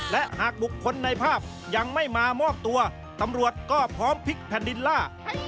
และหากบุคคลในภาพยังไม่มามอบตัวตำรวจก็พร้อมพลิกแผ่นดินล่า